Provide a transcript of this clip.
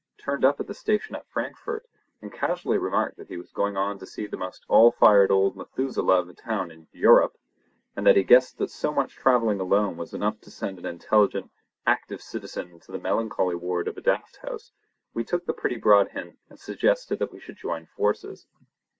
turned up at the station at Frankfort, and casually remarked that he was going on to see the most all fired old Methuselah of a town in Yurrup, and that he guessed that so much travelling alone was enough to send an intelligent, active citizen into the melancholy ward of a daft house, we took the pretty broad hint and suggested that we should join forces.